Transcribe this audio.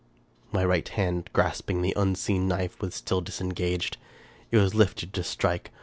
ni My right hand, grasping the unseen knife, was still dis engaged. It was lifted to strike.